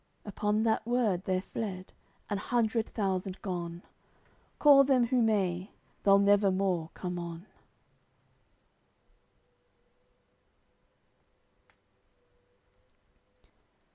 Upon That word, they're fled, an hundred thousand gone; Call them who may, they'll never more come on.